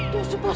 tuh si bos